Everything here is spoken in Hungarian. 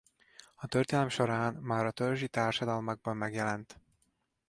A történelem során már a törzsi társadalmakban megjelent.